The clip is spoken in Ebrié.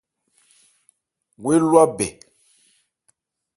Wo élwa bɛ.